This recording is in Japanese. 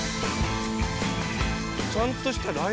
ちゃんとしたライブ。